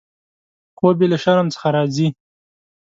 خوب یې له شرم څخه راځي.